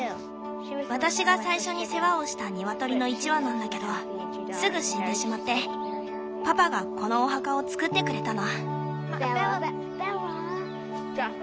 私が最初に世話をしたニワトリの１羽なんだけどすぐ死んでしまってパパがこのお墓を作ってくれたの。